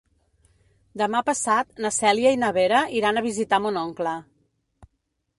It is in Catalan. Demà passat na Cèlia i na Vera iran a visitar mon oncle.